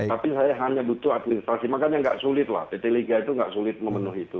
tapi saya hanya butuh administrasi makanya nggak sulit lah pt liga itu nggak sulit memenuhi itu